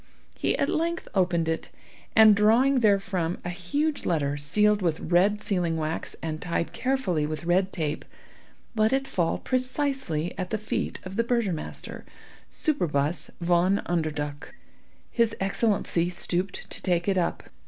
He at length opened it, and drawing there from a huge letter sealed with red sealing wax and tied carefully with red tape, let it fall precisely at the feet of the burgomaster, Superbus Von Underduk. His Excellency stooped to take it up.